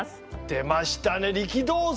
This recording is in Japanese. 出ましたね力道山！